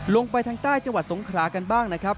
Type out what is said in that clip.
ลงไปทางใต้จังหวัดสงขลากันบ้างนะครับ